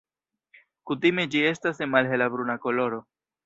Kutime ĝi estas de malhela bruna koloro.